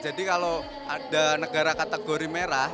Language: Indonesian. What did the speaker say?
jadi kalau ada negara kategori merah